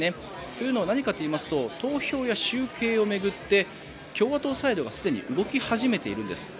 というのは何かといいますと投票や集計を巡って共和党サイドがすでに動き始めているんです。